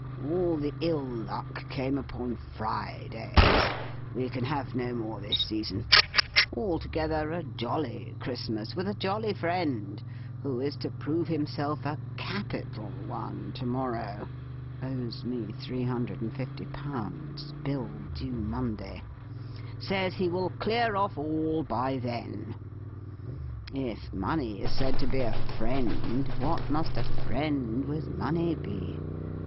All the ill luck came upon Fridays we can have no more this season altogether, a jolly Christmas, with a jolly friend, who is to prove himself a capital one to morrow owes me £350 bill due Monday, says he will clear off all by then! If 'money' is said to be a 'friend,' what must a friend with money be?